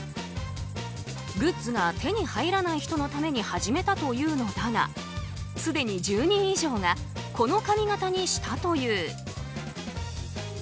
グッズが手に入らない人のために始めたというのだがすでに１０人以上がこの髪形にしたという。